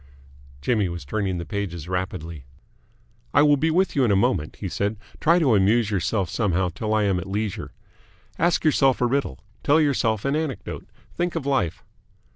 Jimmy was turning the pages rapidly. "I will be with you in a moment," he said. "Try to amuse yourself somehow till I am at leisure. Ask yourself a riddle. Tell yourself an anecdote. Think of life.